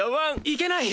いけない！